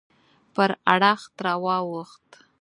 پر اړخ راواوښت.